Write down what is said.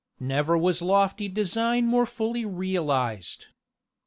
Never was lofty design more fully realised.